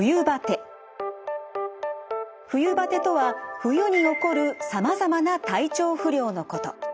冬バテとは冬に起こるさまざまな体調不良のこと。